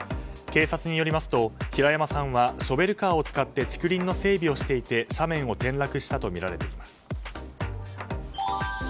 警察によりますと平山さんはショベルカーを使って竹林の整備をしていて斜面を転落したとみられています。